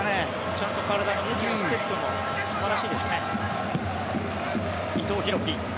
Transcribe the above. ちゃんと体の向きもステップも素晴らしいですね。